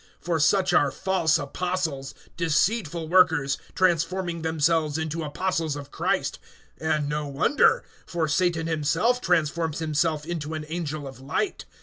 (13)For such are false apostles, deceitful workers, transforming themselves into apostles of Christ. (14)And no wonder; for Satan himself transforms himself into an angel of light.